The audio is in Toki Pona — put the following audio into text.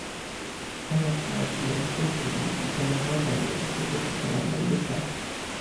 alasa pi jan Kuntuli li kama wawa lon kute pi kalama lupa.